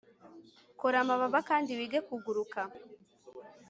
kora amababa kandi wige kuguruka